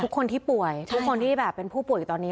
ทุกคนที่ป่วยทุกคนที่แบบเป็นผู้ป่วยอยู่ตอนนี้